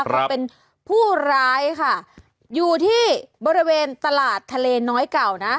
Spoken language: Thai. เขาเป็นผู้ร้ายค่ะอยู่ที่บริเวณตลาดทะเลน้อยเก่านะ